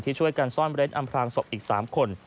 ที่ช่วยการซ่อนเล็นอำพลางศพอีก๓คน